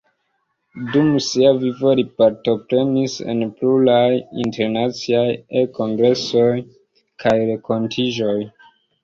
Dum sia vivo li partoprenis en pluraj internaciaj e-kongresoj kaj renkontiĝoj.